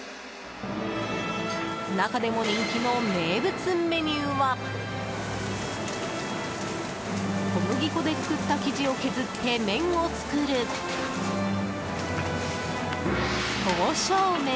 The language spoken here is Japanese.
中でも人気の名物メニューは小麦粉で作った生地を削って麺を作る、刀削麺。